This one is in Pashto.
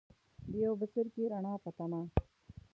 د یو بڅرکي ، رڼا پۀ تمه